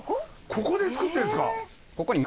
ここでつくってるんですか。